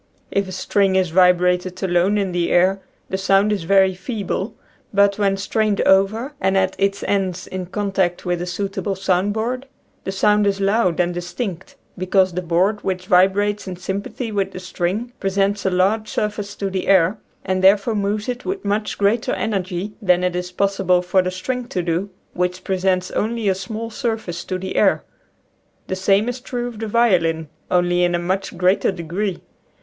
If a string is vibrated alone in the air the sound is very feeble, but when strained over and, at its ends, in contact with a suit able sound board, the sound is loud and dis tinct, because the board which vibrates in sympathy with the string presents a large sur face to the air, and therefore moves it with much greater energy than it is possible for the string to do, which presents only a small surface to the air. The same is true of the violin, only in a much greater degree.